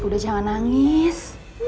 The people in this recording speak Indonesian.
udah jangan nangis